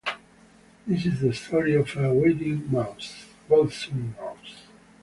This is the story of a waltzing mouse.